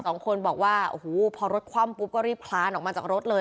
สองคนบอกว่าโอ้โหพอรถคว่ำปุ๊บก็รีบคลานออกมาจากรถเลย